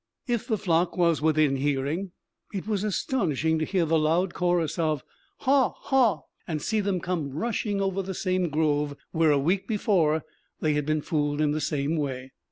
If the flock was within hearing, it was astonishing to hear the loud chorus of haw haws, and to see them come rushing over the same grove where a week before they had been fooled in the same way.